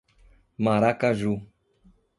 Maracaju